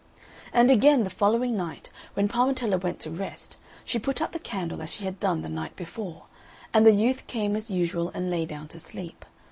And again the following night, when Parmetella went to rest, she put out the candle as she had done the night before, and the youth came as usual and lay down to sleep.